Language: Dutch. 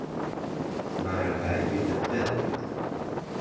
Maar wij willen verder gaan.